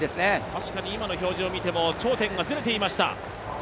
確かに今の表示を見ても頂点がずれていました。